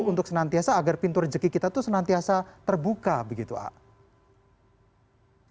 untuk senantiasa agar pintu rezeki kita tuh senantiasa terbuka begitu pak